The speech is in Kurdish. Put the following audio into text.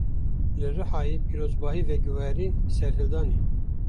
Li Rihayê pîrozbahî, veguherî serhildanê